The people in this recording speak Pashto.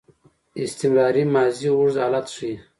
استمراري ماضي اوږد حالت ښيي.